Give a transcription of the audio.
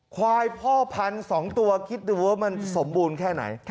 ควายพ่อพันธุ์๒ตัวคิดดูว่ามันสมบูรณ์แค่ไหน